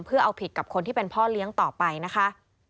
เพื่อเอาผิดกับคนที่เป็นพ่อเลี้ยงต่อไปนะคะ